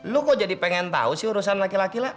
lu kok jadi pengen tahu sih urusan laki laki lah